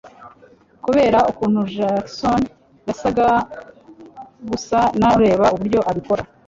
kubera ukuntu Jackson yasaga gusa nareba uburyo abikora